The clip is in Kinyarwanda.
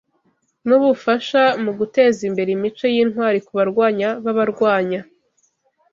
nubufasha mugutezimbere imico yintwari kubarwanya babarwanya